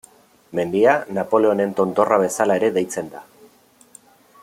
Mendia, Napoleonen Tontorra bezala ere deitzen da.